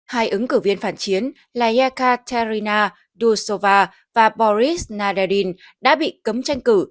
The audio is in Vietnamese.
hai ứng cử viên phản chiến laya katerina dushova và boris naderin đã bị cấm tranh cử